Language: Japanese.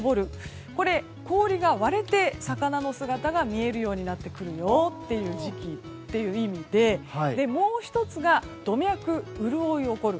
これ、氷が割れて魚の姿が見えるようになってくるという時期という意味でもう１つが土脈潤起。